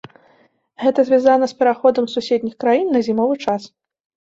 Гэта звязана з пераходам суседніх краін на зімовы час.